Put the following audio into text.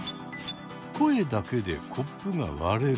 声だけでコップが割れる？